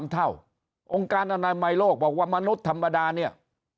เท่าองค์การอนามัยโลกบอกว่ามนุษย์ธรรมดาเนี่ย